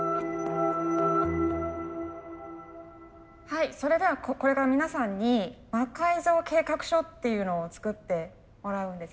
はいそれではこれから皆さんに魔改造計画書っていうのを作ってもらうんですね。